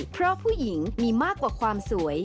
เพราะผู้หญิงมีมากกว่าความสวย